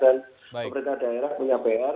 dan pemerintah daerah punya pr